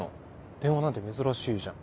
電話なんて珍しいじゃん。